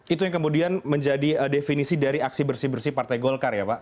itu yang kemudian menjadi definisi dari aksi bersih bersih partai golkar ya pak